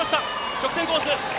直線コース。